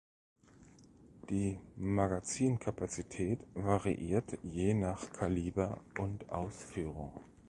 Die Magazinkapazität variiert je nach Kaliber und Ausführung.